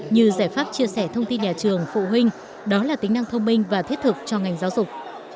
như giải pháp chia sẻ thông tin nhà trường phụ huynh đó là tính năng thông minh và thiết thực cho ngành giáo dục